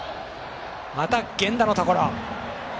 また源田のところ。